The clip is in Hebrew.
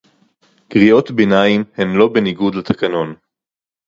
קריאות ביניים הן לא בניגוד לתקנון